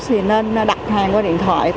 thì nên đặt hàng qua điện thoại